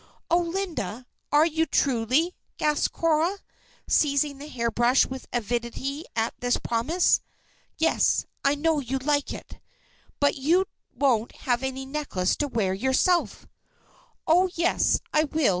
"Oh, Linda! are you truly?" gasped Cora, seizing the hairbrush with avidity at this promise. "Yes. I know you like it." "But you won't have any necklace to wear yourself!" "Oh, yes, I will.